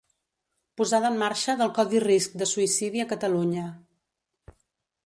Posada en marxa del Codi Risc de Suïcidi a Catalunya.